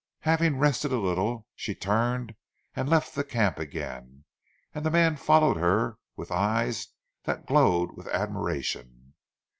Having rested a little, she turned and left the camp again and the man followed her with eyes that glowed with admiration.